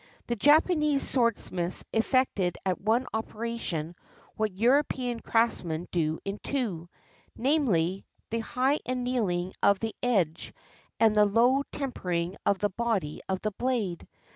The Japanese swordsmiths efifected at one operation what European craftsmen do in two, namely, the high annealing of the edge and the low tempering of the body of the blade.